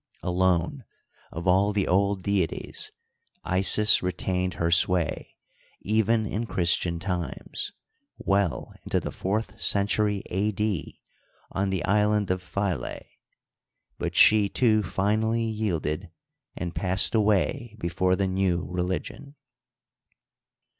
Alone of all the old deities Ists retained her sway, even in Christian times, well into the fourth century A. D. on the Island of Philae ; but she, too, finally yieldecl, and passed away before the new religion.